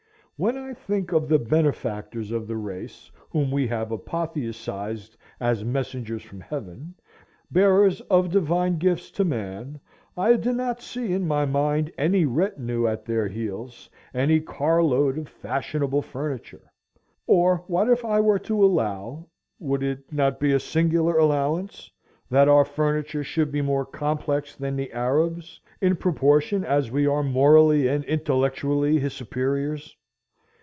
When I think of the benefactors of the race, whom we have apotheosized as messengers from heaven, bearers of divine gifts to man, I do not see in my mind any retinue at their heels, any car load of fashionable furniture. Or what if I were to allow—would it not be a singular allowance?—that our furniture should be more complex than the Arab's, in proportion as we are morally and intellectually his superiors!